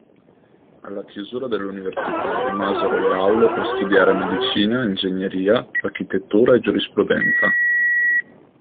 Alla chiusura dell'Università rimasero le aule per studiare medicina, ingegneria, architettura e giurisprudenza.